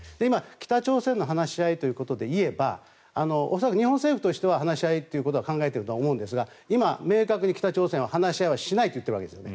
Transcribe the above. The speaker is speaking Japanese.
北朝鮮の話し合いということでいえば恐らく日本政府としては話し合いは考えていると思うんですが今、明確に北朝鮮は話し合いをしないと言っているわけです。